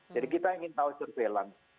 jadi kita ingin tahu surveillance